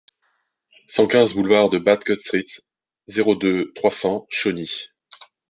cent quinze boulevard de Bad Kostritz, zéro deux, trois cents, Chauny